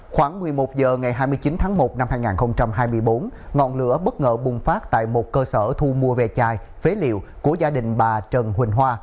khoảng một mươi một h ngày hai mươi chín tháng một năm hai nghìn hai mươi bốn ngọn lửa bất ngờ bùng phát tại một cơ sở thu mua về chai phế liệu của gia đình bà trần huỳnh hoa